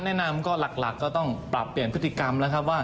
แนะนำก็หลักก็ต้องปรับเปลี่ยนพฤติกรรม